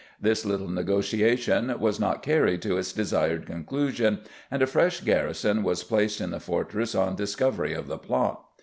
This little negotiation was not carried to its desired conclusion, and a fresh garrison was placed in the fortress on discovery of the plot.